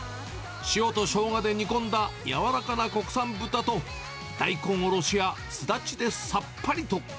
塩とショウガで煮込んだやわらかな国産豚と、大根おろしやスダチでさっぱりと。